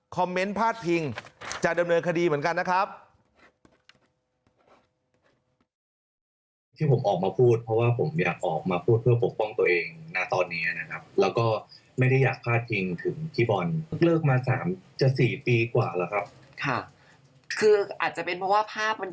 เมนต์พาดพิงจะดำเนินคดีเหมือนกันนะครับ